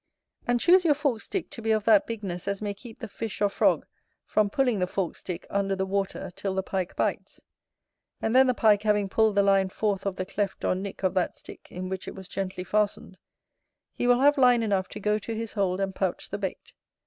And choose your forked stick to be of that bigness as may keep the fish or frog from pulling the forked stick under the water till the Pike bites; and then the Pike having pulled the line forth of the cleft or nick of that stick in which it was gently fastened, he will have line enough to go to his hold and pouch the bait.